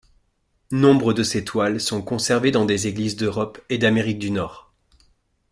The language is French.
Nombre de ses toiles sont conservées dans des églises d'Europe et d'Amérique du Nord.